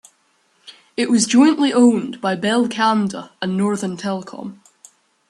It was jointly owned by Bell Canada and Northern Telecom.